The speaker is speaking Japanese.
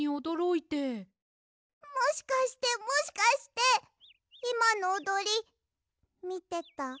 もしかしてもしかしていまのおどりみてた？